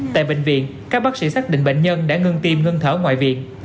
tại bệnh viện các bác sĩ xác định bệnh nhân đã ngưng tim ngưng thở ngoại viện